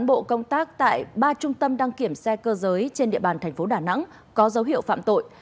một số cán bộ công tác tại ba trung tâm đăng kiểm xe cơ giới trên địa bàn thành phố đà nẵng có dấu hiệu phạm tội